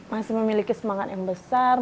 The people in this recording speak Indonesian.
masih memiliki semangat yang besar